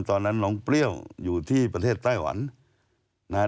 ตอนนั้นน้องเปรี้ยวอยู่ที่ประเทศไต้หวันนะฮะ